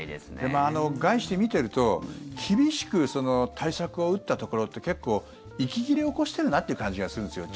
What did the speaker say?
概して見てると厳しく対策を打ったところって結構息切れを起こしているなって感じがするんですよ。